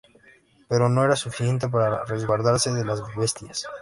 Pero no era suficiente para resguardarse de las bestias.